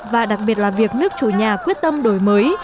và đặc biệt là việc nước chủ nhà quyết tâm đổi mới